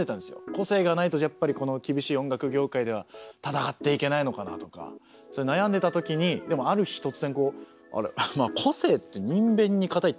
個性がないとやっぱりこの厳しい音楽業界では闘っていけないのかなとかそういう悩んでたときにでもある日突然こう「個性」って「人偏」に「固い」って書いて。